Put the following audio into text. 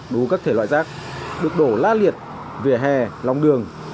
đủ các thể loại rác được đổ lá liệt về hẻ lòng đường